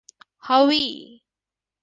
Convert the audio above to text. Howe.